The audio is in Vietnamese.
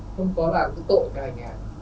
không có là cứ tội cả anh em